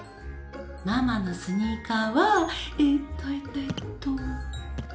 ママのスニーカーはえっとえっとえっと